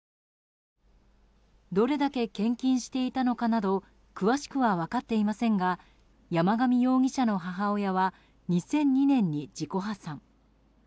どれだけ献金していたのかなど詳しくは分かっていませんが山上容疑者の母親は２００２年に自己破産。